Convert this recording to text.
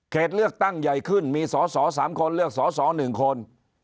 เลือกตั้งใหญ่ขึ้นมีสอสอ๓คนเลือกสอสอ๑คน